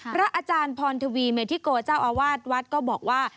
พระอาจารย์พรทวีเมธิโกเจ้าอาวาสวัดก็บอกว่า